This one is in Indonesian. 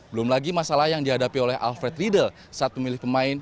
belum lagi masalah yang dihadapi oleh alfred riedel saat memilih pemain